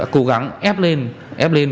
cố gắng ép lên